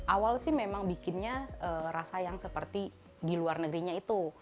awal sih memang bikinnya rasa yang seperti di luar negerinya itu